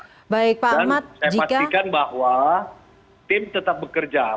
dan saya pastikan bahwa tim tetap bekerja